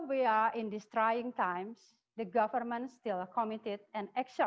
saya bilang bahwa apa yang perlu dilakukan indonesia